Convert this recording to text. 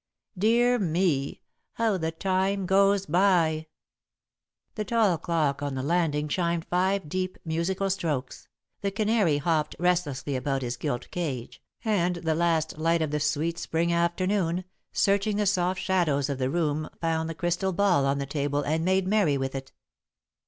Dear me, how the time goes by!" [Sidenote: In Trouble] The tall clock on the landing chimed five deep musical strokes, the canary hopped restlessly about his gilt cage, and the last light of the sweet Spring afternoon, searching the soft shadows of the room, found the crystal ball on the table and made merry with it.